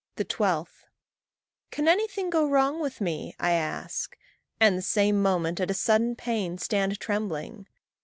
12. Can anything go wrong with me? I ask And the same moment, at a sudden pain, Stand trembling.